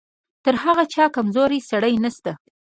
تر هغه چا کمزوری سړی نشته.